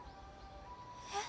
えっ。